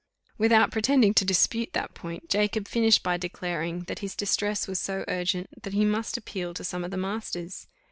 Without pretending to dispute that point, Jacob finished by declaring, that his distress was so urgent that he must appeal to some of the masters.